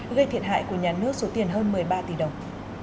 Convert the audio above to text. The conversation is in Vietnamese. gây thiệt hại của nhà nước số tiền hơn một mươi ba tỷ đồng